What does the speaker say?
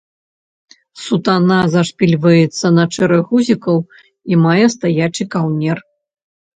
Сутана зашпільваецца на шэраг гузікаў і мае стаячы каўнер.